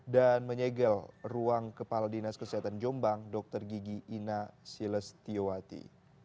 dan menyegel ruang kepala dinas kesehatan jombang dr gigi ina silestiyowati